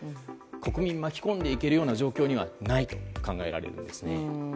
国民を巻き込んでいけるような状況にはないと考えられているんです。